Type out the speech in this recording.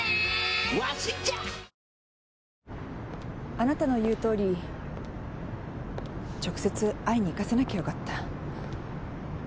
あなたの言うとおり直接会いに行かせなきゃよかった。